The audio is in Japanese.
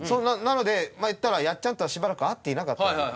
なのでまあ言ったらやっちゃんとはしばらく会っていなかった。